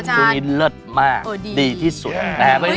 ช่วงนี้เลิศมากดีที่สุด